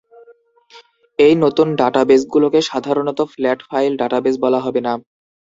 এই নতুন ডাটাবেসগুলোকে সাধারণত ফ্ল্যাট-ফাইল ডাটাবেস বলা হবে না।